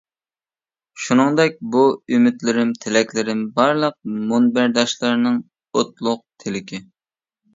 شۇنىڭدەك بۇ ئۈمىدلىرىم، تىلەكلىرىم بارلىق مۇنبەرداشلارنىڭ ئوتلۇق تېلىكى!